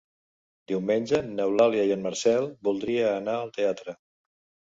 Diumenge n'Eulàlia i en Marcel voldria anar al teatre.